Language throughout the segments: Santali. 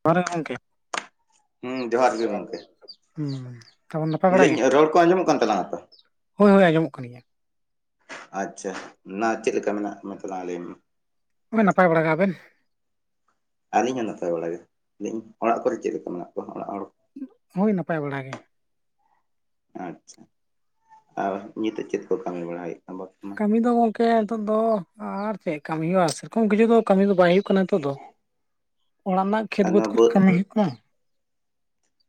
ᱚᱠᱟᱨᱮ ᱜᱚᱝᱠᱮ ᱦᱩᱸ ᱡᱚᱦᱟᱨ ᱜᱮ [inaudible] ᱦᱩᱸ ᱛᱟᱵᱚᱱ ᱱᱟᱯᱟᱭ ᱵᱟᱲᱟ ᱞᱟᱹᱭ ᱜᱮ ᱟᱹᱧ ᱨᱚᱲ ᱠᱚ ᱟᱸᱡᱚᱢᱚᱜ ᱠᱟᱱ ᱛᱟᱞᱟᱝᱟ ᱛᱚ, ᱦᱳᱭ ᱦᱳᱭ ᱟᱸᱚᱢᱚᱜ ᱠᱟᱱᱜᱮᱭᱟ᱾ ᱟᱪᱪᱷᱟ ᱱᱟ ᱪᱮᱫ ᱞᱮᱠᱟ ᱢᱮᱱᱟᱜ ᱠᱚ ᱛᱟᱞᱟᱝᱟ ᱞᱟᱹᱭ ᱢᱮ᱾᱾ ᱦᱳᱭ ᱱᱟᱯᱟᱭ ᱵᱟᱲᱟ ᱜᱮ ᱟᱵᱮᱱ ᱟᱹᱞᱤᱧᱦᱚᱸ ᱱᱟᱯᱟᱭ ᱵᱟᱲᱟᱜᱮ ᱤᱧ ᱚᱲᱟᱜ ᱠᱚᱨᱮ ᱪᱮᱫ ᱞᱮᱠᱟ ᱢᱮᱱᱟᱜ ᱠᱚᱣᱟ ᱚᱲᱟᱜ ᱦᱚᱲ, ᱦᱳᱭ ᱱᱟᱯᱟᱭ ᱵᱟᱲᱟ ᱜᱮ, ᱟᱪᱪᱷᱟ ᱟᱨ ᱱᱤᱛᱚᱜ ᱪᱮᱫ ᱠᱚ ᱠᱟᱹᱢᱤ ᱵᱟᱲᱟ ᱦᱩᱭᱩᱜ ᱠᱟᱱᱟ ᱵᱚᱨᱛᱚᱢᱟᱱ, ᱱᱤ ᱫᱚ ᱜᱚᱝᱠᱮ ᱱᱤᱛᱚᱜ ᱫᱚ ᱟᱨ ᱪᱮᱜ ᱠᱟᱹᱢᱤ ᱦᱩᱭᱩᱜ-ᱟ ᱥᱮᱨᱚᱠᱚᱢ ᱠᱤᱪᱷᱩ ᱫᱚ ᱠᱟᱹᱢᱤ ᱫᱚ ᱵᱟᱭ ᱦᱩᱭᱩᱜ ᱠᱟᱱᱟ ᱱᱤᱛᱚᱜ ᱫᱚ᱾ ᱚᱲᱟᱜ ᱨᱮᱱᱟᱜ ᱠᱷᱮᱛ ᱟᱨ ᱵᱟᱹᱫᱽ ᱱᱚᱣᱟ ᱠᱚᱨᱮ ᱠᱟᱹᱢᱤ ᱦᱩᱭᱩᱜ ᱠᱟᱱᱟ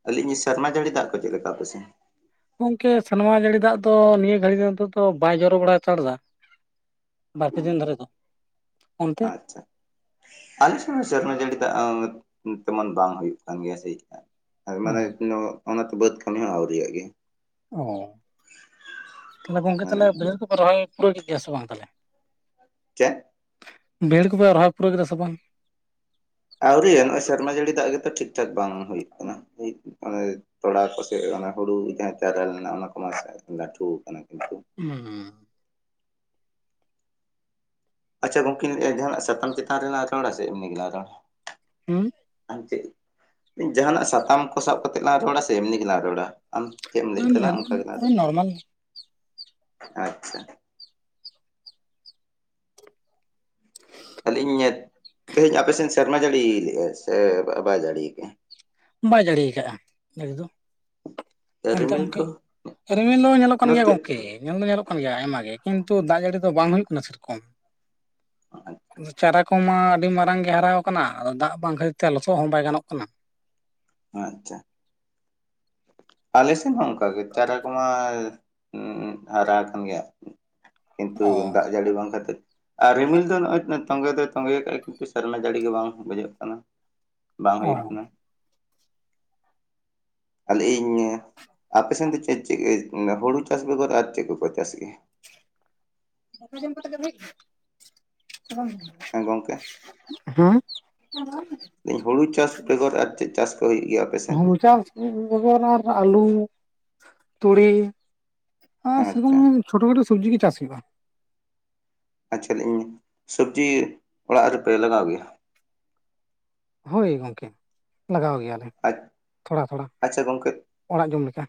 ᱟᱹᱞᱤᱧᱤ ᱥᱮᱨᱢᱟ ᱡᱟᱹᱲᱤ ᱫᱟᱜ ᱠᱚ ᱪᱮᱫ ᱞᱮᱠᱟ ᱟᱯᱮ ᱥᱮᱫ ᱜᱚᱢᱠᱮ ᱥᱮᱱᱣᱟ ᱡᱟᱹᱲᱤ ᱫᱟᱜ ᱫᱚ ᱱᱤᱭᱟᱹ ᱜᱷᱟᱹᱲᱤ ᱫᱚ ᱛᱚ ᱵᱟᱭ ᱡᱚᱨᱚ ᱵᱟᱲᱟ ᱦᱟᱛᱟᱲ ᱫᱟ ᱵᱟᱨᱯᱮ ᱫᱤᱱ ᱫᱷᱚᱨᱮ ᱫᱚ, ᱚᱱᱛᱮ ᱟᱪᱪᱷᱟ ᱟᱪᱪᱷᱟ ᱥᱮᱨᱢᱟ ᱡᱟᱹᱲᱤ ᱫᱟᱜ ᱛᱮᱢᱚᱱ ᱵᱟᱝ ᱦᱩᱭᱩᱜ ᱠᱟᱱ ᱜᱮᱭᱟ ᱥᱮ ᱪᱮᱛᱟ, ᱥᱮᱨᱢᱟ ᱚ ᱨᱮ ᱮᱠᱷᱚᱱᱳ ᱚᱱᱟ ᱵᱟᱹᱫᱽ ᱠᱟᱹᱢᱤ ᱦᱚᱸ ᱟᱹᱣᱨᱤ ᱭᱟᱜ ᱜᱮᱭᱟ, ᱚ ᱛᱟᱞᱮ ᱜᱚᱝᱠᱮ ᱢᱟᱱᱮ ᱛᱦᱟᱞᱮ ᱵᱟᱹᱭᱦᱟᱹᱲ ᱠᱚ ᱯᱮ ᱨᱚᱦᱚᱭ ᱯᱩᱨᱟᱹᱣ ᱠᱮᱜ ᱜᱮᱭᱟ ᱥᱮ ᱵᱟᱝ ᱛᱟᱞᱦᱮ᱾ ᱪᱮᱫ ᱵᱟᱹᱭᱦᱟᱹᱲ ᱠᱚᱯᱮ ᱨᱚᱦᱚᱭ ᱯᱩᱨᱟᱹᱣ ᱠᱮᱫᱟ ᱥᱮ ᱵᱟᱝ, ᱟᱹᱣᱨᱤ ᱱᱚᱜᱼᱚᱭ ᱥᱮᱨᱢᱟ ᱡᱟᱹᱲᱤ ᱫᱟᱜ ᱜᱮᱛᱚ ᱴᱷᱤᱠ ᱴᱷᱟᱠ ᱵᱟᱝ ᱦᱩᱭᱩᱜ ᱠᱟᱱᱟ, ᱚᱱᱮ ᱛᱚᱲᱟ ᱠᱚᱥᱮ ᱦᱩᱲᱩ ᱡᱟᱦᱟᱸ ᱪᱟᱨᱟ ᱞᱮᱱᱟ ᱚᱱᱟ ᱠᱚᱢᱟ ᱞᱟᱹᱴᱷᱩ ᱠᱟᱱᱟ ᱠᱤᱱᱛᱩ ᱦᱩᱸ ᱟᱪᱪᱷᱟ ᱜᱚᱝᱠᱮᱧ ᱞᱟᱹᱭ ᱮᱫ-ᱟ ᱡᱟᱦᱟᱸᱱᱟᱜ ᱥᱟᱛᱟᱢ ᱪᱮᱛᱟᱱ ᱨᱮᱞᱟᱝ ᱨᱚᱲᱟ ᱥᱮ ᱮᱢᱱᱤ ᱜᱮᱞᱟᱝ ᱨᱚᱲᱟ᱾ ᱦᱩᱸ ᱟᱢ ᱪᱮᱫ ᱡᱟᱦᱟᱱᱟᱜ ᱥᱟᱛᱟᱢ ᱠᱚ ᱥᱟᱵ ᱠᱟᱛᱮᱜ ᱞᱟᱝ ᱨᱚᱲᱟ ᱥᱮ ᱮᱢᱱᱤ ᱜᱮᱞᱟᱝ ᱨᱚᱲᱟ ᱟᱢ ᱪᱮᱫ ᱮᱢ ᱞᱟᱹᱭ ᱛᱞᱟᱝᱟ ᱦᱩᱸ ᱚᱱᱠᱟ ᱜᱮ ᱳᱭ ᱦᱟᱸᱜ ᱱᱚᱨᱢᱟᱞ ᱟᱪᱪᱷᱟ, ᱟᱹᱞᱤᱧ ᱛᱤᱦᱤᱧ ᱟᱯᱮᱥᱮᱫ ᱥᱮᱨᱢᱟ ᱡᱟᱹᱲᱤᱭ ᱥᱮ ᱵᱟᱭ ᱡᱟᱲᱤ ᱠᱟᱼᱟᱭ ᱵᱟᱭ ᱡᱟᱲᱤ ᱟᱠᱟᱫᱼᱟ ᱡᱟᱲᱤ ᱫᱚ, ᱚᱱᱛᱮ ᱨᱤᱢᱤᱞ ᱜᱚᱢᱠᱮ ᱠᱚ ᱨᱤᱢᱤᱞ ᱫᱚ ᱧᱮᱞᱚᱜ ᱠᱟᱱ ᱜᱮᱭᱟ ᱱᱚᱛᱮ ᱜᱚᱢᱠᱮ, ᱧᱮᱞ ᱫᱚ ᱧᱮᱞᱚᱜ ᱠᱟᱱ ᱜᱮᱭᱟ ᱟᱭᱢᱟ ᱜᱮ ᱠᱤᱱᱛᱩ ᱫᱟᱜ ᱡᱟᱹᱲᱤ ᱫᱚ ᱵᱟᱝ ᱦᱩᱭᱩᱜ ᱠᱟᱱᱟ ᱥᱮ ᱨᱚᱠᱚᱢ, ᱪᱟᱨᱟᱠ ᱠᱚ ᱢᱟ ᱟᱹᱰᱤ ᱢᱟᱨᱟᱝ ᱜᱮ ᱦᱟᱨᱟ ᱟᱠᱟᱱᱟ ᱟᱫᱚ ᱫᱟᱜ ᱵᱟᱝ ᱠᱷᱟᱹᱛᱤᱨ ᱛᱮ ᱞᱚᱥᱚᱫ ᱦᱚᱸ ᱵᱟᱭ ᱜᱟᱱᱚᱜ ᱠᱟᱱᱟ, ᱟᱪᱪᱷᱟ ᱟᱞᱮ ᱥᱮᱱ ᱦᱚᱸ ᱚᱱᱠᱟᱜᱮ ᱪᱟᱨᱟ ᱠᱚᱢᱟ ᱦᱟᱨᱟ ᱟᱠᱟᱱ ᱜᱮᱭᱟ, ᱠᱤᱱᱛᱩ ᱚ ᱫᱟᱜ ᱡᱟᱹᱲᱤ ᱵᱟᱝ ᱠᱷᱟᱹᱛᱤᱨ, ᱟᱨ ᱨᱤᱢᱤᱞ ᱫᱚ ᱱᱚᱜᱼᱚᱭ ᱛᱚᱸᱜᱮ ᱫᱚᱭ ᱛᱚᱸᱜᱮ ᱟᱠᱟᱜ ᱠᱤᱱᱛᱩ ᱥᱮᱟᱨᱢᱟ ᱡᱟᱹᱲᱤ ᱜᱮ ᱵᱟᱝ ᱵᱩᱡᱷᱟᱹᱜ ᱠᱟᱱᱟ, ᱵᱟᱝ ᱚ ᱦᱩᱭᱩᱜ ᱠᱟᱱᱟ᱾ ᱟᱞᱮ ᱤᱧ ᱟᱯᱮᱥᱮᱫ ᱫᱚ ᱪᱮᱫ ᱪᱮᱫ ᱦᱩᱲᱩ ᱪᱟᱥ ᱵᱮᱜᱚᱨ ᱟᱨ ᱪᱮᱫ ᱠᱚᱠᱚ ᱪᱟᱥ ᱜᱮᱭᱟ? ᱫᱟᱠᱟ ᱡᱚᱢ ᱠᱟᱛᱮ [inaudible] ᱦᱮᱸ ᱜᱚᱢᱠᱮ᱾ ᱦᱩᱲᱩ ᱪᱟᱥ ᱵᱮᱜᱚᱨ ᱟᱨ ᱪᱮᱫ ᱪᱟᱥ ᱠᱚ ᱦᱩᱭᱩᱜ ᱜᱮᱭᱟ? ᱟᱯᱮᱥᱮᱱ ᱦᱩᱲᱩ ᱪᱟᱥ ᱵᱮᱜᱚᱨ ᱟᱹᱞᱩ, ᱛᱩᱲᱤ, ᱟᱨ ᱟᱪᱪᱷᱟ ᱥᱮᱨᱚᱠᱚᱢ ᱪᱷᱳᱴᱳ ᱠᱷᱟᱴᱳ ᱥᱚᱵᱽᱡᱤ ᱜᱮ ᱪᱟᱥ ᱦᱩᱭᱩᱜᱼᱟ᱾ ᱟᱪᱪᱷᱟ ᱤᱧ ᱥᱚᱵᱽᱡᱤ ᱚᱲᱟᱜ ᱨᱮᱯᱮ ᱞᱟᱜᱟᱣ ᱜᱮᱭᱟ? ᱦᱳᱭ ᱜᱚᱢᱠᱮ᱾ ᱞᱟᱜᱟᱣ ᱜᱮᱭᱟᱞᱮ᱾ ᱟᱪ ᱛᱷᱚᱲᱟ ᱛᱷᱚᱲᱟ ᱟᱪᱪᱷᱟ ᱜᱚᱢᱠᱮ ᱚᱲᱟᱜ ᱡᱚᱢ ᱞᱮᱠᱟ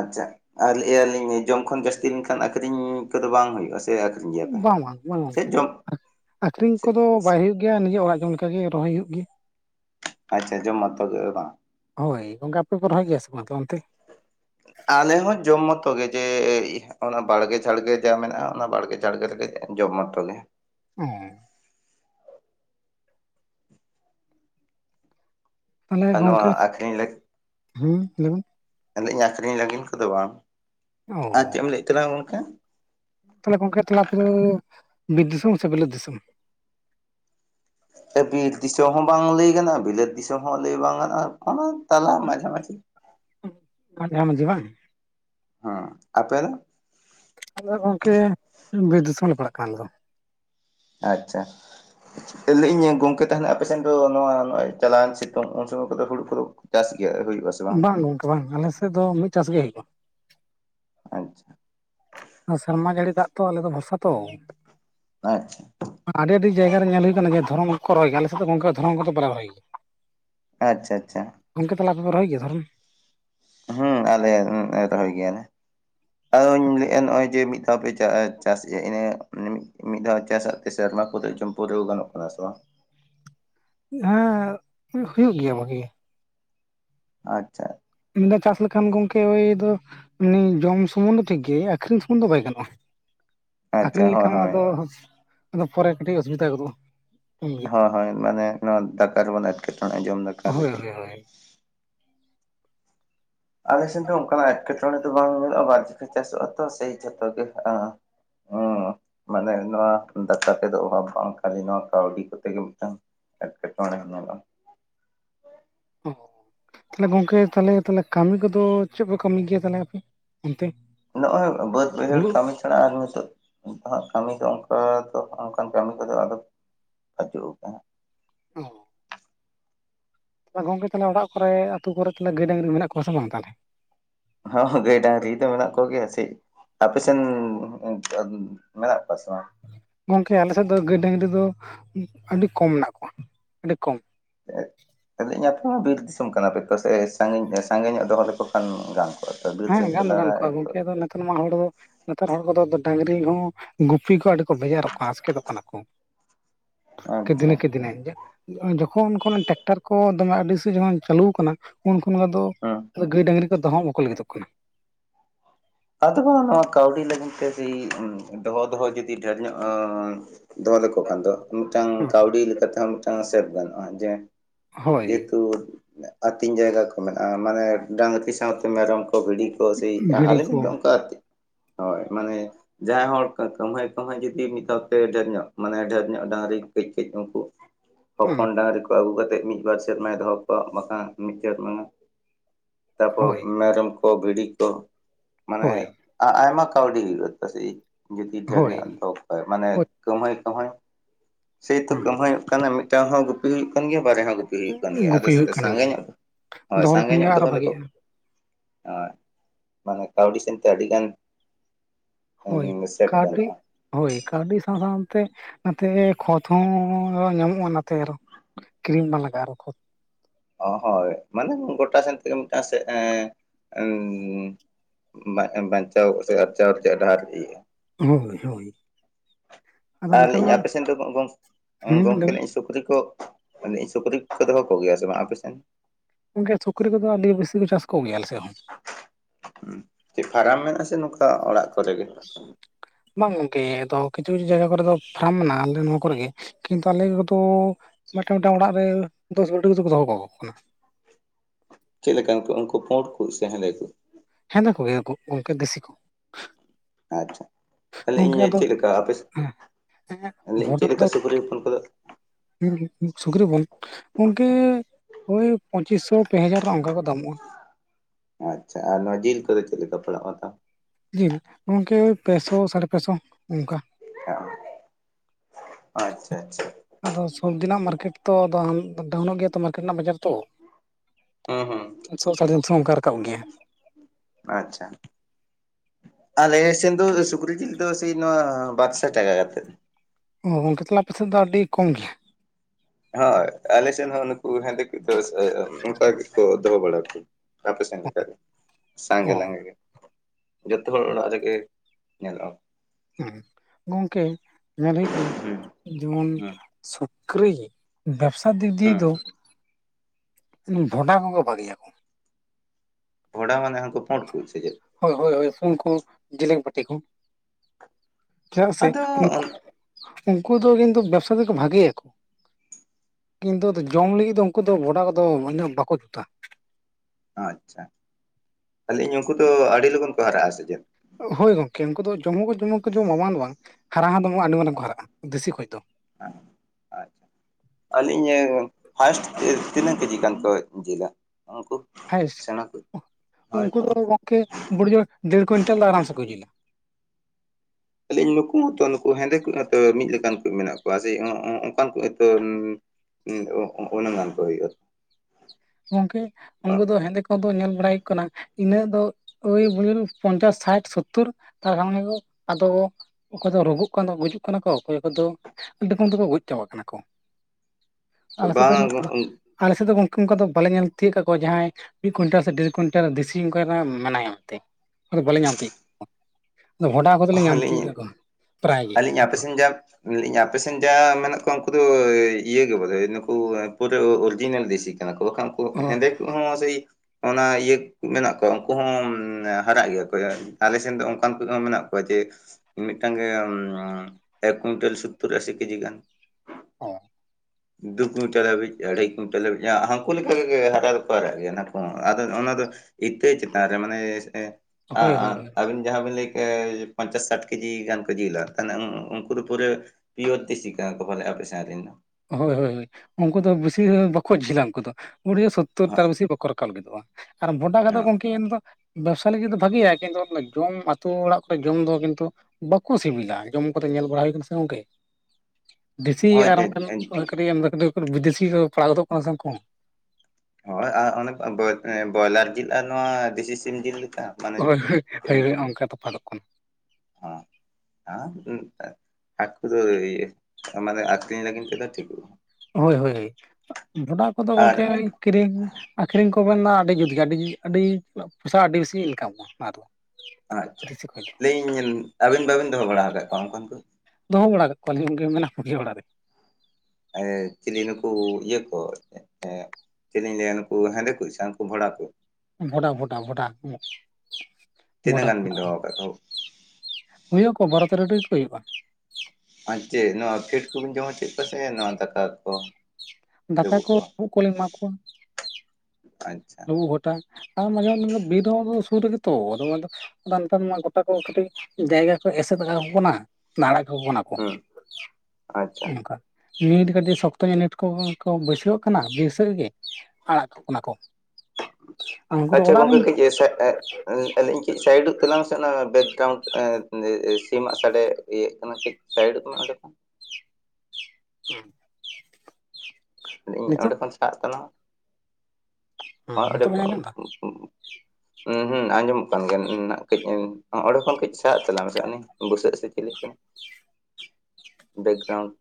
ᱟᱪᱪᱷᱟ, ᱟᱨ ᱞᱟᱹᱭᱼᱟᱞᱤᱧ ᱡᱚᱢ ᱠᱷᱚᱱ ᱡᱟᱹᱥᱛᱤ ᱞᱮᱱᱠᱷᱟᱱ ᱟᱹᱷᱨᱤᱧ ᱠᱚᱫᱚ ᱵᱟᱝ ᱦᱩᱭᱩᱜᱼᱟ ᱥᱮ᱾ ᱟᱠᱷᱨᱤᱧ ᱜᱮᱭᱟᱯᱮ ᱵᱟᱝ ᱵᱟᱝ ᱵᱟᱝ ᱥᱮ ᱜᱚᱢᱠᱮ ᱡᱚᱢ ᱟᱨ ᱟᱠᱷᱨᱤᱧ ᱠᱚᱫᱚ ᱵᱟᱭ ᱦᱩᱭᱩᱜ ᱜᱮᱭᱟ᱾ ᱱᱤᱡᱮ ᱚᱲᱟᱜ ᱡᱚᱢ ᱞᱮᱠᱟᱜ ᱜᱮ ᱨᱚᱦᱚᱭ ᱦᱩᱭᱩᱜ ᱜᱮᱭᱟ᱾ ᱟᱪᱪᱷᱟ ᱡᱚᱢ ᱢᱟᱛᱚᱜ ᱜᱮ ᱵᱟᱝ? ᱦᱳᱭ ᱜᱚᱝ ᱠᱟ ᱟᱯᱮ ᱠᱚᱨᱮ ᱠᱚ ᱨᱚᱸᱦᱚᱭ ᱜᱮᱭᱟ ᱥᱮ? ᱢᱟ ᱛᱚ ᱚᱱᱛᱮ, ᱟᱞᱮ ᱦᱚᱸ ᱡᱚᱢ ᱢᱚᱛᱚ ᱜᱮ ᱡᱮ ᱚᱱᱟ ᱵᱟᱲᱜᱮ ᱡᱷᱟᱲᱜᱮ ᱡᱟ ᱢᱮᱱᱟᱜᱼᱟ᱾ ᱚᱱᱟ ᱵᱟᱲᱜᱮ ᱡᱷᱟᱲᱜᱮ ᱨᱮᱜᱮ, ᱡᱚᱢ ᱢᱚᱛᱚ ᱜᱮ᱾ ᱦᱚᱸ ᱛᱟᱦᱚᱞᱮ ᱟᱨ ᱜᱚᱢᱠᱮᱸ ᱱᱚᱣᱟ ᱟᱠᱷᱨᱤᱧ ᱦᱮᱸ ᱞᱟᱹᱭᱵᱮᱱ, ᱮᱱᱮᱡ ᱟᱹᱠᱷᱨᱤᱧ ᱞᱟᱹᱜᱤᱫ ᱠᱚᱫᱚ ᱵᱟᱝ ᱚ ᱟᱨ ᱪᱮᱫ ᱮᱢ ᱞᱟᱹᱭᱮᱫ ᱠᱟᱱᱟ ᱜᱚᱢᱠᱮ, ᱛᱟᱦᱚᱞᱮ ᱜᱚᱢᱠᱮ [unintelligible] ᱛᱮ ᱵᱤᱨ ᱫᱤᱥᱚᱢ ᱥᱮ ᱵᱤᱞᱟᱛ ᱫᱤᱥᱚᱢ? ᱵᱤᱨ ᱫᱤᱥᱚᱢ ᱦᱚᱸ ᱵᱟᱝ ᱞᱟᱹᱭ ᱜᱟᱱᱚᱜᱼᱟ, ᱵᱤᱞᱟᱹᱛ ᱫᱤᱥᱚᱢ ᱦᱚᱸ ᱞᱟᱹᱭ ᱵᱟᱝ ᱜᱟᱱᱚᱜᱼᱟ᱾ ᱚᱱᱟ ᱛᱟᱞᱟ ᱢᱟᱡᱷᱮ ᱢᱟᱡᱷᱤ, ᱢᱟᱡᱷᱟ ᱢᱟᱺᱡᱷᱤ ᱵᱟᱝ? ᱦᱮᱸ ᱟᱯᱮ ᱫᱚ, ᱟᱫᱚ ᱜᱚᱢᱠᱮ ᱵᱤᱨ ᱫᱤᱥᱚᱢ ᱞᱮ ᱯᱟᱲᱟᱜ ᱠᱟᱱᱟᱞᱮ ᱫᱚ᱾ ᱟᱪᱪᱷᱟ ᱤᱧ ᱜᱚᱢᱠᱮ ᱛᱟᱦᱮᱱᱟ ᱟᱯᱮᱥᱮᱫ ᱫᱚ ᱱᱚᱣᱟ ᱱᱚᱜᱼᱚᱭ ᱪᱟᱞᱟᱣᱮᱱ ᱥᱤᱛᱩᱝ ᱩᱱ ᱥᱚᱢᱚᱭ ᱠᱚᱫᱚ ᱦᱩᱲᱩ ᱠᱚᱫᱚ ᱪᱟᱥ ᱜᱮ ᱦᱩᱭ ᱥᱮ? ᱵᱟᱝ ᱜᱚᱢᱠᱮ ᱵᱟᱝ ᱟᱞᱮᱥᱮᱫ ᱫᱚ ᱢᱤᱫ ᱪᱟᱥ ᱜᱮ ᱦᱩᱭᱩᱜᱼᱟ᱾ ᱟᱪᱪᱷᱟ, ᱥᱮᱨᱢᱟ ᱡᱟᱹᱲᱤ ᱫᱟᱜ ᱛᱚ ᱟᱞᱮ ᱫᱚ ᱵᱷᱚᱨᱥᱟ ᱛᱚ᱾ ᱟᱪᱪᱷᱟ ᱟᱹᱰᱤ ᱟᱹᱰᱤ ᱡᱟᱭᱜᱟ ᱨᱮ ᱧᱮᱞ ᱦᱩᱭᱟ ᱠᱟᱱᱟ ᱡᱮ ᱫᱷᱚᱨᱚᱱ ᱠᱚ ᱨᱚᱦᱚᱭ ᱜᱮᱭᱟ᱾ ᱟᱞᱮ ᱥᱮᱫ ᱫᱚ ᱜᱚᱢᱠᱮ ᱫᱷᱚᱨᱚᱱ ᱠᱚᱫᱚ ᱵᱟᱞᱮ ᱨᱚᱦᱚᱭ ᱜᱮᱭᱟ᱾ ᱟᱪᱪᱷᱟ ᱟᱪᱪᱷᱟ ᱜᱚᱢᱠᱮ ᱛᱟᱞᱮ ᱟᱯᱮ ᱯᱮ ᱨᱚᱦᱚᱭ ᱜᱮᱭᱟ ᱫᱷᱚᱨᱚᱱ? ᱦᱮᱸ ᱟᱞᱮ ᱨᱚᱦᱚᱭ ᱜᱮᱭᱟ ᱞᱮ ᱟᱫᱚᱧ ᱞᱟᱹᱭᱮᱜᱼᱟ ᱱᱚᱜᱼᱚᱭ ᱡᱮ ᱢᱤᱫ ᱛᱚᱯᱮ ᱪᱟᱥᱮᱫᱼᱟ, ᱤᱱᱟᱹ ᱢᱤᱫ ᱫᱷᱟᱣ ᱪᱟᱥᱟᱜ ᱛᱮ ᱥᱮᱨᱢᱟ ᱠᱚᱫᱚ ᱡᱚᱢ ᱯᱩᱨᱟᱹᱣ ᱜᱟᱱᱚᱜ ᱠᱟᱱᱟ ᱥᱮ ᱵᱟᱝ? ᱦᱮᱸ ᱦᱩᱭᱩᱜ ᱜᱮᱭᱟ ᱵᱷᱟᱜᱮ᱾ ᱟᱪᱪᱷᱟ ᱢᱤᱫ ᱛᱷᱟᱭ ᱪᱟᱥ ᱞᱮᱠᱷᱟᱱ ᱜᱚᱢᱠᱮ ᱳᱭ ᱫᱚ ᱩᱱᱤ ᱡᱚᱢ ᱥᱩᱢᱩᱝ ᱫᱚ ᱴᱷᱤᱠ ᱜᱮᱭᱟ᱾ ᱟᱠᱷᱨᱤᱧ ᱥᱩᱢᱩᱝ ᱫᱚ ᱵᱟᱭ ᱜᱟᱱᱚᱜᱼᱟ᱾ ᱟᱪᱪᱷᱟ ᱟᱠᱷᱨᱤᱧ ᱦᱳᱭ ᱞᱮᱠᱷᱟᱱ ᱢᱟ ᱦᱳᱭ ᱟᱫᱚ ᱫᱚ ᱯᱚᱨᱮ ᱠᱟᱹᱴᱤᱡ ᱚᱥᱩᱵᱤᱫᱷᱟ ᱜᱚᱫᱚᱜᱼᱟ᱾ ᱦᱳᱭ ᱦᱳᱭ ᱢᱟᱱᱮ ᱱᱚᱣᱟ ᱫᱟᱠᱟᱨ ᱨᱮ ᱮᱴᱠᱮᱴᱚᱬᱮ ᱡᱚᱢ ᱫᱟᱠᱟᱨ ᱨᱮᱠᱤ ᱦᱳᱭ ᱦᱳᱭ ᱟᱞᱮ ᱥᱮᱱ ᱫᱚ ᱚᱱᱠᱟᱱᱟᱜ ᱮᱴᱠᱮᱴᱚᱬᱮ ᱫᱚ ᱵᱟᱝ ᱦᱩᱭᱩᱜᱚᱜᱼᱟ᱾ ᱵᱟᱨ ᱫᱷᱟᱭ ᱪᱟᱥᱚᱜᱼᱟ ᱛᱚ, ᱥᱮᱭ ᱡᱷᱚᱛᱚ ᱜᱮ ᱦᱚᱸ ᱢᱟᱱᱮ ᱱᱚᱣᱟ ᱫᱟᱠᱟ ᱛᱮᱫᱚ ᱚᱵᱷᱟᱵᱽ ᱵᱟᱝ ᱠᱷᱟᱹᱞᱤ ᱱᱚᱣᱟ ᱠᱟᱹᱣᱰᱤ ᱠᱚᱛᱮ ᱜᱮ ᱢᱤᱫᱴᱟᱝ ᱮᱴᱠᱮᱴᱚᱬᱮ ᱦᱩᱭᱩᱜᱼᱟ᱾ ᱚᱸ ᱛᱟᱦᱞᱮ ᱜᱚᱢᱠᱮ, ᱛᱟᱦᱮᱞᱮ ᱠᱟᱹᱢᱤ ᱠᱚᱫᱚ ᱪᱮᱫ ᱯᱮ ᱠᱟᱹᱢᱤ ᱜᱮᱭᱟ ᱛᱟᱦᱮ ᱟᱯᱮ ᱚᱱᱛᱮ? ᱱᱚᱜᱼᱚᱭ ᱵᱟᱹᱫ ᱵᱟᱭᱦᱟᱹᱲ ᱦᱩᱲᱩ ᱠᱟᱹᱢᱤ ᱥᱮᱬᱟᱜ ᱟᱨ ᱱᱤᱛᱚᱜ ᱠᱟᱹᱢᱤ ᱫᱚ ᱚᱱᱠᱟ ᱫᱚ ᱚᱱᱠᱟᱱ ᱠᱟᱹᱢᱤ ᱠᱚᱫᱚ ᱟᱫᱚ [unintelligible] [unintelligible] ᱛᱟᱦ ᱜᱝᱠᱮ ᱛᱟᱦᱮ ᱚᱲᱟᱜ ᱠᱚᱨᱮ ᱟᱹᱛᱩ ᱠᱚᱨᱮᱜ ᱜᱟᱹᱭ ᱰᱟᱹᱝᱜᱨᱤ ᱢᱮᱱᱟᱜ ᱠᱚᱣᱟ ᱥᱮ ᱵᱟᱝ ᱛᱟᱦᱚᱞᱮ ᱦᱚᱸ ᱦᱚᱸ ᱜᱟᱹᱭ ᱰᱟᱹᱜᱨᱤ ᱢᱮᱱᱟᱜ ᱠᱚᱜᱮᱭᱟ ᱥᱮ ᱟᱯᱮᱥᱮᱱ ᱢᱮᱱᱟᱜ ᱠᱚᱣᱟ ᱥᱮ ᱵᱟᱝ ᱜᱚᱝᱠᱮ ᱟᱞᱮᱥᱮᱫ ᱫᱚ ᱜᱟᱹᱭ ᱰᱟᱹᱝᱜᱨᱤ ᱫᱚ ᱟᱹᱰᱤ ᱠᱚᱢ ᱢᱮᱱᱟᱜ ᱠᱚᱣᱟ ᱟᱹᱰᱤ ᱠᱚᱢ [inaudible] ᱟᱯᱮ ᱦᱚ ᱢᱟ ᱵᱤᱨ ᱫᱤᱥᱚᱢ ᱠᱟᱱᱟᱯᱮ ᱥᱮ ᱥᱟᱺᱜᱤᱧ ᱥᱟᱸᱜᱮ ᱧᱚᱜ ᱫᱚᱦᱚ ᱞᱮᱠᱚ ᱠᱷᱟᱱ ᱜᱟᱱ ᱠᱚᱜᱼᱟ ᱛᱚ ᱵᱤᱨ ᱦᱮᱸ ᱥᱮᱱ ᱯᱮ ᱜᱟᱱ ᱫᱚ ᱜᱟᱱ ᱞᱟᱜᱟ ᱠᱚᱜᱼᱟ ᱤᱫᱤ ᱠᱚᱣᱟ ᱜᱚᱝᱠᱮ ᱫᱚ ᱱᱮᱛᱟᱨ ᱢᱟ ᱦᱚᱲ ᱫᱚ ᱱᱮᱛᱟᱨ ᱦᱚᱲ ᱠᱚᱫᱚ ᱰᱟᱝᱜᱨᱤ ᱦᱚᱸ ᱜᱩᱯᱤ ᱠᱚ ᱟᱹᱰᱤ ᱠᱚ ᱵᱷᱮᱜᱟᱨᱚ ᱠᱚᱣᱟ ᱟᱥᱠᱮᱫᱚᱜ ᱠᱟᱱᱟ ᱠᱚ ᱫᱤᱱᱮ ᱟᱪᱪᱷᱟ ᱠᱮ ᱫᱤᱱᱮ ᱠᱮ ᱡᱚᱠᱷᱚᱱ ᱴᱮᱠᱴᱟᱨ ᱠᱚ ᱫᱚᱢᱮ ᱟᱹᱰᱤᱥ [unintelligible] ᱪᱟᱹᱞᱩ ᱟᱠᱟᱱᱟ ᱩᱱ ᱠᱷᱚᱱᱟᱜ ᱫᱚ ᱦᱩᱸ ᱜᱟᱹᱭ ᱰᱟᱹᱟᱝᱜᱨᱤ ᱠᱚ ᱫᱚᱦᱚ ᱵᱟᱠᱚ [unintelligible] ᱠᱟᱱᱟ ᱟᱫᱚ ᱵᱟᱝ ᱱᱚᱣᱟ ᱠᱟᱹᱣᱰᱤ ᱞᱟᱹᱜᱤᱫ ᱛᱮᱫᱤ ᱫᱚᱦᱚ ᱫᱚᱦᱚ ᱡᱩᱫᱤ ᱰᱷᱮᱨ ᱧᱚᱜ ᱫᱚᱦᱚ ᱞᱮᱠᱚ ᱠᱷᱟᱱ ᱫᱚ ᱢᱤᱫᱴᱟᱝ ᱠᱟᱱᱟ ᱠᱟᱹᱣᱰᱤ ᱞᱮᱠᱟᱛᱮᱦᱚᱸ ᱢᱤᱫᱴᱟᱝ ᱥᱮᱯ ᱜᱟᱱᱚᱜᱼᱟ ᱡᱮ ᱦᱳᱭ ᱡᱮᱦᱮᱛᱩ ᱟᱹᱛᱤᱧ ᱡᱟᱭᱜᱟ ᱠᱚ ᱢᱮᱱᱟᱜᱼᱟ ᱢᱟᱱᱮ ᱰᱟᱝᱜᱨᱤ ᱥᱟᱶᱛᱮ ᱢᱮᱨᱚᱢ ᱠᱚ ᱵᱷᱤᱰᱤ ᱥᱮ ᱵᱷᱤᱲᱤ ᱟᱞᱮᱥᱮᱫ ᱠᱚ ᱫᱚ ᱚᱱᱠᱟ ᱦᱚᱭ ᱢᱟᱱᱮ ᱡᱟᱦᱟᱸᱭ ᱦᱚᱲ ᱠᱟᱹᱢᱦᱟᱹᱭ ᱠᱟ. ᱢᱦᱟ. ᱭ ᱡᱩᱫᱤ ᱢᱤᱫ ᱫᱷᱟᱣᱛᱮ ᱰᱷᱮᱨ ᱧᱚᱜ ᱢᱟᱱᱮ ᱰᱷᱮᱨ ᱧᱚᱜ ᱰᱟᱝᱜᱨᱤ ᱠᱟᱹᱡ ᱠᱟᱹᱡ ᱩᱱᱠᱩ [inaudible] ᱦᱚᱯᱚᱱ ᱰᱟ. ᱝᱜᱨᱤ ᱠᱚ ᱟᱹᱜᱩ ᱠᱟᱛᱮᱫ ᱢᱤᱫ ᱵᱟᱨ ᱥᱮᱨᱢᱟᱭ ᱫᱚᱦᱚ ᱠᱚᱣᱟ ᱵᱟᱠᱷᱟᱱ ᱢᱤᱫᱪᱟᱨ ᱵᱟᱝᱟ ᱛᱟᱨᱯᱚᱨ ᱦᱳᱭ ᱢᱮᱨᱚᱢ ᱠᱚ ᱵᱷᱤᱰᱤ ᱠᱚ ᱢᱟᱱᱮ ᱦᱳᱭ ᱟᱭᱢᱟ ᱠᱟᱣᱰᱤ ᱯᱟᱥ ᱡᱩᱫᱤ ᱰᱷᱮᱨᱱᱚᱜ ᱮ ᱦᱳᱭ ᱫᱚᱦᱚ ᱠᱚᱣᱟᱭ ᱢᱟᱱᱮ ᱦᱳᱭ ᱠᱟᱹᱢᱦᱟᱹᱭ ᱠᱟᱹᱢᱦᱟᱹᱭ ᱥᱮᱭᱛᱚ ᱠᱟᱹᱢᱦᱟᱹᱭ ᱦᱩᱸ, ᱠᱟᱱᱟ ᱢᱤᱫᱴᱟᱝ ᱦᱚᱸ ᱜᱩᱯᱤ ᱦᱩᱭᱩᱜ ᱠᱟᱱ ᱜᱮᱭᱟ ᱵᱟᱨᱮ ᱦᱚᱸ ᱜᱩᱯᱤ ᱠᱤ ᱦᱩᱭᱩᱜ ᱠᱟᱱ ᱜᱮᱭᱟ ᱟᱫᱚ ᱜᱩᱯᱤ ᱦᱩᱭᱩᱜ ᱠᱟᱱ ᱥᱟᱸᱜᱮ ᱜᱮᱭᱟ ᱧᱚᱜ ᱫᱚ ᱦᱳᱭ ᱫᱚᱦᱚ ᱥᱟᱸᱜᱮ ᱞᱮᱠᱷᱟᱱ ᱜᱮ ᱧᱚᱜ ᱟᱨᱚ ᱫᱚᱦᱚ ᱞᱮᱠᱚ ᱵᱷᱟᱜᱤᱜᱼᱟ ᱦ ᱢᱟᱱᱮ ᱠᱟᱣᱰᱤ ᱥᱮᱱᱛᱮ ᱟᱰᱤᱜᱟᱱ ᱦᱳᱭ ᱠᱟᱰᱤ ᱦᱚᱭ ᱠᱟᱹᱣᱰᱤ ᱥᱟᱶ ᱥᱟᱶᱛᱮ ᱱᱟᱛᱮ ᱠᱷᱚᱛ ᱦᱚᱸ ᱧᱟᱢᱚᱜᱼᱟ ᱱᱟᱛᱮ ᱨᱚ ᱠᱤᱨᱤᱢ ᱵᱟᱝ ᱞᱟᱜᱟᱜᱼᱟ ᱟᱨ ᱠᱷ ᱚ ᱦᱚᱭ ᱢᱟᱱᱮ ᱜᱚᱴᱟ ᱥᱮᱱᱛᱮ ᱢᱤᱫ ᱥᱮ ᱵᱟᱧᱪᱟᱣ ᱥᱮ ᱟᱨᱪᱟᱣ ᱨᱮᱭᱟᱜ ᱵᱟᱦᱟᱨ [unintelligible] ᱦᱚᱭ ᱦᱚᱭ ᱟᱨ ᱤᱧ ᱟᱯᱮ ᱥᱮᱱ ᱫᱚ ᱜᱚᱝ ᱜᱚᱝᱠᱮ ᱦᱮᱸ ᱞᱟᱹᱭ ᱤᱧ ᱥᱩᱠᱨᱤ ᱠᱚ ᱟᱨ ᱞᱟᱭ ᱤᱧ ᱥᱩᱠᱨᱤ ᱠᱚ ᱫᱚᱦᱚ ᱠᱚ ᱜᱮᱭᱟ ᱥᱮ ᱵᱟᱝ ᱟᱯᱮᱥᱮᱱ ᱜᱚᱝᱠᱮ ᱥᱩᱠᱨᱤ ᱠᱚᱫᱚ ᱟᱰᱤ ᱵᱮᱥᱤ ᱠᱚ ᱪᱟᱥ ᱠᱚᱜ ᱜᱮᱭᱟ ᱟᱞᱮ ᱥᱮᱫ ᱦᱚᱸ ᱩᱸ ᱪᱮᱫ ᱯᱷᱟᱨᱟᱢ ᱢᱮᱱᱟᱜ ᱟᱥᱮ ᱱᱚᱠᱟ ᱚᱲᱟᱜ ᱠᱚᱨᱮ ᱜᱮ ᱵᱟᱝ ᱜᱚᱝᱠᱮ ᱟᱫᱚ ᱠᱤᱪᱷᱩ ᱠᱤᱪᱷᱩ ᱡᱟᱜᱟ ᱠᱚᱨᱮ ᱫᱚ ᱯᱷᱟᱨᱢ ᱢᱮᱱᱟᱼᱟ ᱟᱞᱮ ᱱᱚᱣᱟ ᱠᱚᱨᱮ ᱜᱮ ᱠᱤᱱᱛᱩ ᱟᱞᱮ ᱠᱚ ᱫᱚ ᱢᱤᱫᱴᱟᱝ ᱢᱤᱫᱴᱟᱝ ᱚᱲᱟᱜ ᱨᱮ ᱫᱚᱥ [unintelligible] ᱴᱤ ᱠᱟᱛᱮᱫ ᱠᱚ ᱫᱚᱦᱚ ᱠᱟᱠᱚ ᱠᱟᱱᱟ ᱪᱮᱫ ᱞᱮᱠᱟᱱ ᱠᱚ ᱩᱱᱠᱩ ᱯᱩᱸᱰ ᱠᱚ ᱥᱮ ᱦᱮᱸᱫᱮ ᱠᱩᱜ ᱦᱮ ᱱᱩᱠᱩ ᱜᱮᱭᱟ ᱜᱚᱜᱼᱜᱚᱢᱠᱮ ᱫᱮᱥᱤ ᱠᱚ ᱟᱪᱪᱷᱟ [unintelligible] ᱤᱧ ᱜᱚᱝᱠᱮ ᱟᱫᱚ ᱪᱮᱫ ᱞᱮᱠᱟ ᱟᱯᱮ ᱥᱮ ᱦᱮᱸ ᱦᱮᱸ ᱞᱟᱹᱭ ᱟᱹᱧ ᱪᱮᱫ ᱞᱮᱠᱟ ᱥᱩᱠᱨᱤ ᱦᱚᱯᱚᱱ ᱠᱚᱫᱚ ᱦᱩ ᱥᱩᱠᱨᱤ ᱵᱚᱱ ᱜᱚᱝᱠᱮ ᱦᱚᱭ ᱯᱚᱪᱤᱥ ᱥᱚ ᱯᱮ ᱦᱟᱡᱟᱨ ᱱᱟᱜ ᱚᱱᱠᱟ ᱠᱚ ᱫᱟᱢᱚᱜᱼᱟ ᱟᱪᱪᱷᱟ ᱟᱨ ᱱᱚᱣᱟ ᱡᱤᱞ ᱠᱚ ᱫᱚ ᱪᱮᱫ ᱞᱮᱠᱟ ᱯᱟᱲᱟᱜᱼᱟ ᱛᱟᱣ ᱡᱤᱞ ᱜᱚᱝᱠᱮ ᱯᱮᱥᱚ ᱥᱟᱲᱮ ᱯᱮᱥᱚ ᱚᱝᱠᱟ ᱟᱪᱪᱷᱟ ᱪᱷᱟ ᱟᱫᱚ ᱥᱚᱵ ᱡᱤᱱᱟᱜ ᱢᱟᱨᱠᱮᱴ ᱛᱚ ᱟᱫᱚ ᱰᱟᱣᱩᱱᱚᱜ ᱜᱮᱭᱟ ᱛᱚ ᱢᱟᱨᱠᱮᱴ ᱨᱮᱱᱟᱜ ᱵᱟᱡᱟᱨ ᱛᱚ ᱦᱩᱸ ᱦᱩᱸ ᱛᱤᱱ ᱥᱚ ᱥᱟᱲᱮ ᱫᱤᱱ ᱥᱚ ᱚᱱᱠᱟ ᱨᱟᱠᱟᱵ ᱜᱮᱭᱟ ᱟᱪᱪᱷᱟ ᱟᱞᱮ ᱥᱮᱱ ᱫᱚ ᱥᱩᱠᱨᱤ ᱡᱤᱞ ᱫᱚ ᱥᱮᱭ ᱱᱚᱣᱟ ᱵᱟᱨ ᱥᱟᱭ ᱴᱟᱠᱟ ᱠᱟᱛᱮᱫ ᱚ ᱜᱚᱝᱠᱮ ᱛᱚᱦᱞᱮ ᱟᱯᱮ ᱥᱮᱫ ᱫᱚ ᱟᱰᱤ ᱠᱚᱢ ᱜᱮᱭᱟ᱾ ᱦᱳᱭ ᱟᱞᱮ ᱥᱮᱫ ᱦᱚ ᱱᱩᱠᱩ ᱦᱮᱸᱫᱮ ᱠᱚ ᱚᱱᱠᱟ ᱜᱮ ᱠᱚ ᱫᱚᱦᱚ ᱵᱟᱲᱟ ᱠᱚ᱾ ᱟᱯᱮ ᱥᱮᱱ ᱞᱮᱠᱟ ᱜᱮ ᱥᱟᱸᱜᱮ ᱚ ᱞᱟᱸᱜᱟ ᱜᱮ᱾ ᱡᱚᱛᱚ ᱦᱚᱲ ᱚᱲᱟᱜ ᱨᱮ ᱜᱮ ᱧᱮᱞᱚᱜᱼᱟ᱾ ᱦᱩᱸ ᱜᱚᱢᱠᱮ ᱧᱮᱞ ᱦᱩᱭ ᱠᱟᱱᱟ ᱦᱩᱸ ᱡᱮᱢᱚᱱ ᱦᱩᱸ ᱥᱩᱠᱨᱤ ᱵᱮᱵᱥᱟ ᱫᱤᱠ ᱫᱤᱭᱮ ᱦᱩᱸ ᱫᱚ, ᱵᱷᱚᱸᱰᱟ ᱠᱚ ᱜᱮ ᱵᱷᱟᱜᱤᱭᱟᱠᱚ᱾ ᱵᱷᱚᱰᱟ ᱢᱟᱱᱮ ᱦᱟᱸᱱᱠᱩ ᱯᱩᱸᱰ ᱠᱚ ᱥᱮ ᱪᱮᱫ? ᱦᱳᱭ ᱦᱳᱭ ᱦᱳᱭ ᱩᱱᱠᱩ ᱡᱤᱞᱮᱧ ᱯᱟᱴᱤ ᱠᱚ᱾ ᱪᱮᱫᱟᱜ ᱥᱮ ᱟᱫᱚ ᱩᱱᱠᱩ ᱩᱱᱠᱩ ᱫᱚ ᱠᱤᱱᱛᱩ ᱵᱮᱵᱽᱥᱟ ᱫᱚ ᱠᱚ ᱵᱷᱟᱜᱮᱭᱟ ᱠᱚ᱾ ᱠᱤᱱᱛᱩ ᱟᱫᱚ ᱡᱚᱢ ᱞᱟᱹᱜᱤᱫ ᱫᱚ ᱩᱱᱠᱩ ᱫᱚ ᱵᱷᱚᱰᱟ ᱠᱚ ᱫᱚ ᱩᱱᱟᱹᱜ ᱵᱟᱠᱚ ᱡᱩᱛᱟ᱾ ᱟᱪᱪᱷᱟ ᱞᱟᱹᱭ ᱟᱹᱧ ᱩᱱᱠᱩ ᱫᱚ ᱟᱰᱤ ᱞᱚᱜᱚᱱ ᱠᱚ ᱦᱟᱨᱟᱜᱼᱟ ᱥᱮ ᱪᱮᱫ? ᱦᱳᱭ ᱜᱚᱝᱠᱮ ᱩᱱᱠᱩ ᱫᱚ ᱡᱚᱢ ᱦᱚ ᱠᱚ ᱡᱚᱢ ᱟ ᱵᱟᱝ ᱫᱚ ᱵᱟᱝ ᱦᱟᱨᱟ ᱦᱚ ᱫᱚ ᱟᱰᱤ ᱢᱟᱨᱟᱝ ᱠᱚ ᱦᱟᱨᱟᱜᱼᱟ ᱫᱮᱥᱤ ᱠᱷᱚᱡ ᱫᱚ᱾ ᱦᱮᱸ ᱟᱪᱪᱷᱟ᱾ ᱟᱞᱟᱹᱧ ᱦᱟᱭᱮᱥᱴ ᱛᱤᱱᱟᱹᱜ ᱠᱮᱡᱤ ᱜᱟᱱ ᱠᱚ ᱡᱮᱞᱟ ᱩᱱᱠᱩ? ᱦᱟᱭᱮᱥᱴ ᱥᱮᱬᱟ ᱠᱚ ᱦᱳᱭ ᱩᱱᱠᱩ ᱛᱚ ᱫᱚ ᱜᱚᱢᱠᱮ ᱵᱳᱱᱳ ᱡᱳᱲ ᱰᱮᱲ ᱠᱩᱭᱤᱱᱴᱟᱞ ᱫᱚ ᱟᱨᱟᱢ ᱥᱮ ᱠᱚ ᱡᱤᱞᱟ᱾ ᱟᱨ ᱞᱟᱹᱭ ᱤᱧ ᱱᱩᱠᱩ ᱦᱚ ᱛᱚ ᱱᱩᱠᱩ ᱦᱮᱸᱫᱮ ᱠᱚ ᱦᱚ ᱛᱚ ᱢᱤᱫ ᱞᱮᱠᱟᱱ ᱠᱚ ᱢᱮᱱᱟᱜ ᱠᱚᱣᱟ᱾ ᱥᱮ ᱚᱸ ᱚᱸ ᱚᱱᱠᱟᱱ ᱠᱚ ᱦᱚ ᱛᱚ ᱤ ᱚᱜ ᱚᱜ ᱚᱱᱟ ᱜᱟᱱ ᱦᱩᱭᱩᱜᱼᱟ᱾ ᱜᱚᱝᱠᱮ ᱩᱱᱠᱩ ᱵᱟ- ᱫᱚ ᱦᱮᱸᱫᱮ ᱠᱚ ᱫᱚ ᱧᱮᱞ ᱵᱟᱲᱟᱭ ᱦᱩᱭᱩᱜ ᱠᱟᱱᱟ᱾ ᱤᱱᱟᱹᱜ ᱫᱚ ᱳᱭ ᱵᱚᱞᱮᱨᱳ ᱯᱚᱧᱪᱟᱥ ᱥᱟᱴ ᱥᱳᱛᱛᱳᱨ ᱛᱟᱨᱠᱷᱟᱱ ᱜᱮ ᱠᱚ ᱟᱫᱚ ᱚᱠᱚᱭ ᱫᱚ ᱨᱳᱜᱳᱜ ᱠᱟᱱᱟ ᱜᱩᱡᱩᱜ ᱠᱟᱱᱟ, ᱠᱚ ᱚᱠᱚᱭ ᱠᱚ ᱫᱚ ᱟᱹᱰᱤ ᱨᱚᱠᱚᱢ ᱫᱚ ᱠᱚ ᱜᱚᱡ ᱪᱟᱵᱟᱜ ᱠᱟᱱᱟ ᱠᱚ᱾ ᱟᱞᱮ ᱥᱮᱫ ᱫᱚ ᱵᱟᱝ ᱟᱞᱮ ᱥᱮᱫ ᱫᱚ ᱜᱚᱝᱠᱮ ᱚᱱᱠᱟ ᱫᱚ ᱵᱟᱞᱮ ᱧᱮᱞ ᱛᱤᱭᱳᱜ ᱠᱟᱫ ᱠᱚᱣᱟ ᱡᱟᱦᱟᱭ ᱢᱤᱫ ᱠᱩᱭᱤᱱᱴᱟᱞ ᱥᱮ ᱰᱮᱲ ᱠᱩᱭᱤᱱᱴᱟᱞ ᱫᱮᱥᱤ ᱚᱱᱠᱟ ᱱᱟᱜ ᱢᱮᱱᱟᱭᱟ ᱢᱮᱱᱛᱮ᱾ ᱟᱞᱮ ᱵᱟᱞᱮ ᱧᱟᱢ ᱛᱤᱭᱳᱜ ᱟᱠᱟᱫ ᱠᱟᱜ ᱠᱚᱣᱟ, ᱟᱫᱚ ᱵᱷᱚᱰᱟ ᱠᱚ ᱫᱚ ᱞᱮ ᱧᱟᱢ ᱛᱤᱭᱳ ᱠᱟᱫ ᱟᱹᱞᱤᱧ ᱠᱚᱣᱟ ᱯᱨᱟᱭ ᱜᱮ᱾ ᱞᱟᱹᱭ ᱤᱧ ᱟᱯᱮᱥᱮᱱ ᱡᱟ ᱢᱮᱱᱟᱜ ᱠᱚᱣᱟ ᱩᱱᱠᱩ ᱫᱚ ᱤᱭᱟᱹ ᱜᱮ ᱵᱚᱞᱮ ᱱᱩᱠᱩ ᱯᱩᱨᱟᱹ ᱚᱨᱤᱡᱤᱱᱟᱞ ᱫᱮᱥᱤ ᱠᱟᱱᱟ ᱠᱚ, ᱵᱟᱠᱷᱟᱱ ᱩᱱᱠᱩ ᱦᱳᱭ ᱦᱮᱸᱫᱮ ᱠᱚ ᱦᱚ ᱥᱮᱭ ᱚᱱᱟ ᱤᱭᱟᱹ ᱠᱚ ᱢᱮᱱᱟᱜ ᱠᱚᱣᱟ ᱩᱱᱠᱩ ᱦᱚ ᱦᱟᱨᱟᱜ ᱜᱮᱭᱟ ᱠᱚ, ᱟᱞᱮ ᱥᱮᱱ ᱫᱚ ᱚᱱᱠᱟᱱ ᱠᱚᱦ ᱢᱮᱱᱟᱜ ᱠᱚ ᱣᱟ ᱡᱮ ᱢᱤᱫᱴᱟᱝ ᱜᱮ ᱮᱠ ᱠᱩᱭᱤᱱᱴᱮᱞ ᱥᱳᱛᱛᱳᱨ ᱟᱥᱤ ᱠᱮᱡᱤ ᱜᱟᱱ᱾ ᱦᱚᱸ ᱫᱩ ᱠᱩᱭᱱᱴᱟᱞ ᱦᱟᱵᱤᱡ ᱟᱹᱲᱟᱹᱭ ᱠᱩᱭᱱᱴᱟᱞ ᱦᱟᱵᱤᱡ ᱦᱟᱹᱠᱩ ᱞᱮᱠᱟ ᱜᱮ ᱦᱟᱨᱟ ᱫᱚ ᱠᱚ ᱦᱟᱨᱟᱜ ᱜᱮᱭᱟ ᱠᱚ, ᱟᱫᱚ ᱚᱱᱟ ᱫᱚ ᱤᱛᱟᱹ ᱪᱮᱛᱟᱱ ᱨᱮ ᱢᱟᱱᱮ ᱦᱳᱭ ᱦᱳᱭ ᱦᱳᱭ ᱟᱹᱵᱤᱱ ᱡᱟᱦᱟ ᱵᱤᱱ ᱞᱟᱹᱭ ᱠᱮ ᱯᱚᱧᱪᱟᱥ ᱥᱟᱴ ᱠᱮᱡᱤ ᱜᱟᱱ ᱠᱚ ᱡᱤᱞᱟ ᱮᱠᱷᱟᱱ ᱩᱱᱠᱩ ᱫᱚ ᱯᱩᱨᱟᱹ ᱯᱤᱭᱳᱨ ᱫᱤᱥᱤ ᱠᱟᱱᱟ ᱠᱚ ᱯᱟᱞᱮᱱ ᱟᱯᱮ ᱥᱮᱫ ᱨᱮᱱ ᱫᱚ᱾ ᱦᱳᱭ ᱦᱳᱭ ᱦᱳᱭ ᱩᱱᱠᱩ ᱫᱚ ᱵᱤᱥᱤ ᱵᱟᱠᱚ ᱡᱷᱤᱞᱟ ᱩᱱᱠᱩ ᱫᱚ ᱩᱲᱤᱭᱟ ᱥᱛᱛᱳᱚᱨ ᱛᱟᱨ ᱵᱤᱥᱤ ᱵᱟᱠᱚ ᱨᱟᱠᱟᱵ ᱜᱚᱜ-ᱟ᱾ ᱟᱨ ᱵᱷᱰᱟ ᱠᱟᱫᱚ ᱜᱚᱢᱠᱮ ᱮᱱᱫᱚ ᱵᱮᱵᱥᱟ ᱞᱟᱹᱜᱤᱫ ᱫᱚ ᱵᱷᱟᱜᱮᱭᱟ ᱠᱤᱱᱛᱩ ᱡᱚᱢ ᱟᱹᱛᱩᱳ ᱚᱲᱟᱜ ᱠᱚᱨᱮ ᱡᱚᱢ ᱫᱚ ᱠᱤᱱᱛᱩ ᱵᱟᱠᱚ ᱥᱤᱵᱤᱞᱟ ᱡᱚᱢ ᱠᱟᱛᱮ ᱧᱮᱞ ᱵᱟᱲᱟ ᱦᱩᱭ ᱠᱟᱱᱟ ᱥᱮ ᱜᱚᱝᱠᱮ, ᱫᱮᱥᱤ ᱦᱳᱭ ᱟᱨ ᱚᱱᱠᱟᱱ ᱠᱟᱹᱴᱤᱡ ᱮᱢ ᱮᱫᱟ ᱠᱟᱹᱴᱤᱡ ᱵᱤᱫᱮᱥᱤ ᱠᱚ ᱯᱟᱲᱟᱣ ᱜᱚᱫᱚᱜ ᱠᱟᱱᱟ ᱥᱮ ᱩᱱᱠᱩ ᱦᱚ᱾ ᱦᱳᱭ ᱚᱱᱮ ᱵᱚᱭᱞᱟᱨ ᱡᱤᱞ ᱟᱨ ᱱᱚᱣᱟ ᱫᱮᱥᱤ ᱥᱤᱢ ᱡᱤᱞ ᱞᱮᱠᱟ᱾ ᱢᱟᱱᱮ ᱦᱳᱭ ᱦᱳᱭ ᱦᱳᱭ ᱚᱱᱠᱟ ᱛᱚᱯᱷᱟᱫᱚᱜ ᱠᱟᱱᱟ᱾ ᱦᱚ ᱦᱚᱸ ᱩᱸ ᱟᱸᱜ [unintelligible] ᱢᱟᱱᱮ ᱟᱠᱚᱨᱤᱧ ᱞᱟᱜᱤᱫ ᱛᱮᱫᱚ ᱴᱷᱤᱠᱚᱜᱼᱟ᱾ ᱦᱳᱭ ᱦᱳᱭ ᱵᱷᱚᱰᱟ ᱠᱚᱫᱚ ᱟᱨ ᱜᱚᱢᱠᱮ ᱠᱤᱨᱤᱧ ᱟᱠᱷᱨᱤᱧ ᱠᱚᱵᱮᱱ ᱢᱮᱱᱫᱟ ᱟᱹᱰᱤ ᱡᱩᱛ ᱜᱮ ᱟᱹᱰᱤ ᱟᱹᱰᱤ ᱯᱚᱭᱥᱟ ᱟᱹᱰᱤ ᱵᱮᱥᱤ ᱤᱱᱠᱟᱢᱚᱜ-ᱟ ᱚᱱᱟ ᱫᱚ᱾ ᱟᱪᱪᱷᱟ ᱫᱮᱥᱤ ᱠᱷᱚᱡ ᱫᱚ ᱞᱟᱹᱭᱟᱹᱧ ᱟᱵᱤᱱ ᱵᱟᱹᱵᱤᱱ ᱫᱚᱦᱚ ᱵᱟᱲᱟ ᱟᱠᱟᱫ ᱠᱚᱣᱟ ᱚᱱᱠᱟᱱ ᱠᱚ? ᱫᱚᱦᱚ ᱵᱟᱲᱟ ᱠᱟᱜ ᱠᱚᱣᱟᱞᱤᱧ ᱜᱮ ᱢᱮᱱᱟ ᱩᱜᱤᱭᱟᱹ ᱚᱲᱟᱜ ᱨᱮ᱾ ᱮ ᱪᱤᱞᱤ ᱱᱩᱠᱩ ᱤᱭᱟᱹ ᱠᱚ ᱮᱸᱜ ᱪᱮᱫ ᱤᱧ ᱞᱟᱹᱭᱟ ᱱᱩᱠᱩ ᱦᱮᱸᱫᱮᱠ ᱥᱮ ᱩᱱᱠᱩ ᱵᱷᱚᱰᱟ ᱠᱚ? ᱵᱷᱚᱰᱟ ᱵᱷᱚᱰᱟ ᱵᱷᱚᱰᱟ ᱦᱩ ᱛᱤᱱᱟᱹᱜ ᱜᱟᱱ ᱵᱤᱱ ᱵᱷᱚᱰᱟᱚᱰᱟ ᱫᱚᱦᱚ ᱟᱠᱟᱫ ᱠᱚᱣᱟ [inaudible] ᱦᱩᱭᱩᱟᱠᱚ ᱵᱚᱨᱚᱛᱮᱨᱚᱴᱤ ᱠᱚ ᱦᱩᱭᱩᱜ- ᱟ᱾ ᱟᱨ ᱪᱮᱫ ᱱᱚᱣᱟ ᱯᱷᱤᱴ ᱠᱚᱵᱤᱱ ᱡᱚᱢ ᱪᱮᱫ ᱠᱚᱣᱟ ᱥᱮ ᱱᱚᱣᱟ ᱫᱟᱠᱟ ᱠᱚ? ᱫᱟᱠᱟ ᱠᱚ ᱞᱚᱵᱩ ᱠᱚᱞᱮ ᱮᱢᱟ ᱠᱚᱣᱟ ᱟᱪᱷ ᱜᱚᱴᱟ ᱟᱨ ᱢᱟᱡᱷᱮ - ᱢᱟᱡᱷᱮ ᱵᱤᱨ ᱦᱚᱸ ᱥᱩᱨ ᱨᱮᱜᱮ ᱛᱚ ᱟᱫᱚ ᱟᱫᱚ ᱱᱮᱛᱟᱨ ᱢᱟ ᱜᱚᱴᱟ ᱠᱚ ᱠᱟᱹᱴᱤᱡ ᱡᱟᱭᱜᱟ ᱠᱚ ᱮᱥᱮᱫ ᱟᱠᱟᱫ ᱵᱚᱱᱟ ᱦᱩᱸ ᱟᱪᱪᱷᱟ [inaudible] ᱚᱱᱠᱟ ᱱᱤᱴ ᱠᱟᱹᱴᱤᱡ ᱥᱚᱠᱛᱚ ᱮ ᱱᱮᱴ ᱠᱚ ᱠᱚ ᱵᱟᱹᱭᱥᱟᱹᱣ ᱠᱟᱱᱟ ᱵᱟᱹᱭᱥᱟᱹ ᱜᱮ ᱟᱲᱟᱜ ᱚᱱᱟ ᱠᱚ ᱟᱨ ᱩᱱᱠᱩ ᱫᱚ ᱟᱪᱪᱷᱟ ᱚᱲᱟᱜ ᱜᱚᱝᱠᱮ ᱨᱮᱱ ᱠᱟᱹᱡ ᱮᱥᱮ ᱮᱜ ᱟᱹᱞᱤᱧ ᱠᱤᱡ ᱥᱟᱭᱤᱰᱚᱜ ᱛᱟᱞᱟᱝ ᱢᱮᱥᱮ ᱚᱱᱟ ᱵᱮᱠᱜᱨᱟᱩᱱᱰ ᱥᱤᱢ ᱢᱟᱥᱰᱮ ᱤᱭᱟᱹ ᱠᱟᱱᱟ ᱠᱟᱹᱡ ᱥᱟᱭᱤᱰ ᱚᱜ ᱢᱮ ᱚᱸᱰᱮ ᱠᱷᱚᱱ ᱦᱩᱸ ᱤᱧ ᱚᱸᱰᱮ ᱠᱷᱚᱱ ᱥᱟᱦᱟᱜ ᱛᱟᱞᱟᱝ ᱚᱸ ᱦᱮᱸ ᱚᱸᱰᱮ ᱱᱤᱛᱚᱜ ᱵᱮᱱ ᱟᱸᱡᱚᱢ ᱮᱫᱟ [unintelligible] ᱦᱩ ᱦᱩᱸ ᱟᱸᱡᱚᱢᱚᱜ ᱠᱟᱱ ᱜᱮᱭ ᱱᱟᱜ ᱠᱟᱹᱡ ᱚᱸᱰᱮ ᱠᱷᱚᱱ ᱠᱟᱹᱡ ᱥᱟᱦᱟᱜ ᱛᱟᱞᱟᱝ ᱢᱮ ᱥᱮ ᱚᱱᱮ ᱵᱩᱥᱟᱹᱜ ᱥᱮ ᱪᱤᱞᱤ ᱠᱟᱱᱟᱭ [unintelligible] ᱵᱮᱠᱜᱨᱟᱣᱩᱱᱰ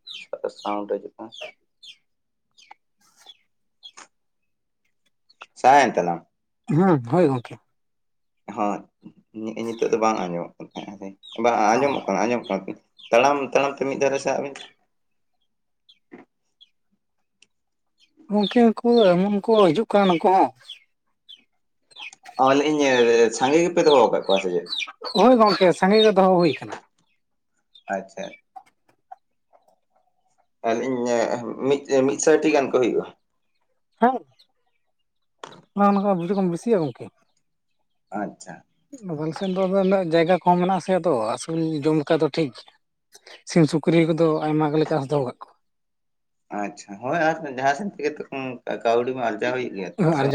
ᱥᱟᱣᱩᱱᱰ ᱦᱤᱡᱩᱜ ᱠᱟᱱᱟ [unintelligible] ᱥᱟᱦᱟ ᱮᱱ ᱛᱟᱞᱟᱢ ᱦᱩᱸ ᱦᱳᱭ ᱜᱚᱝᱠᱮ ᱦᱚ ᱱᱤᱛᱚᱜ ᱫᱚ ᱵᱟᱝ ᱟᱸᱡᱚᱢᱚᱜ ᱠᱟᱱ ᱛᱟᱦᱮᱸ-ᱟ ᱵᱟᱝ ᱟᱸᱡᱚᱢᱚᱜ ᱠᱟᱱᱟ ᱟᱸᱡᱚᱢᱚᱜ ᱠᱟᱱᱟ ᱛᱟᱲᱟᱢ ᱛᱟᱲᱟᱢ ᱛᱮ ᱢᱤᱫ ᱫᱷᱟᱨᱮ ᱥᱟᱦᱟ ᱵᱤᱱ ᱜᱟᱝᱠᱮ ᱠᱚ ᱮᱢᱚᱱ ᱠᱚ ᱦᱤᱡᱩᱜ ᱠᱟᱱ ᱱᱩᱠᱩ ᱦᱚᱸ ᱚᱞᱤᱧ ᱥᱟᱸᱜᱮ ᱜᱮᱯᱮ ᱫᱚᱦᱚ ᱟᱠᱟᱫ ᱠᱚᱣᱟ ᱥᱮ ᱪᱮᱫ ᱦᱳᱭ ᱜᱚᱝᱠᱮ ᱥᱟᱸᱜᱮ ᱜᱮ ᱫᱚᱦᱚ ᱦᱩᱭ ᱠᱟᱱᱟ ᱟᱪᱪᱷᱟ ᱟᱞᱤᱹᱧ ᱢᱤᱫᱥᱟᱭᱴᱤ ᱜᱟᱱ ᱠᱚ ᱦᱩᱭᱩᱜ-ᱟ ᱦᱮᱸ ᱚᱱᱟᱠᱷᱚᱱ ᱠᱚ ᱵᱤᱥᱤ ᱠᱦᱚᱱ ᱵᱮᱥᱤ ᱟ ᱜᱚᱝᱠᱮ ᱟᱪᱪᱷᱟ [inaudible] ᱥᱮᱱᱫᱚ ᱟᱫᱚ ᱩᱱᱟᱹᱜ ᱡᱟᱭᱜᱟ ᱠᱚᱦᱚᱸ ᱢᱮᱱᱟᱜᱼᱟ ᱥᱮ ᱟᱫᱚ ᱟᱹᱥᱩᱞ ᱡᱚᱢ ᱞᱮᱠᱟ ᱫᱚ ᱴᱷᱤᱠ ᱥᱤᱢ ᱥᱩᱠᱨᱤ ᱠᱚᱫᱚ ᱟᱭᱢᱟ ᱜᱮᱞᱮ ᱪᱟᱥ ᱫᱚᱦᱚ ᱠᱟᱜ ᱠᱚᱣᱟ ᱟᱪᱪᱷᱟ ᱦᱳᱭ ᱟᱨ ᱡᱟᱦᱟᱸ ᱥᱮᱫ ᱛᱮᱜᱮ ᱛᱚ ᱠᱟᱹᱣᱰᱤ ᱢᱟ ᱟᱨᱡᱟᱣ ᱦᱩᱭᱩᱜ ᱜᱮᱭᱟ ᱛᱚ ᱠᱚᱣᱟ ᱥᱮ ᱟᱨ ᱵᱟᱝ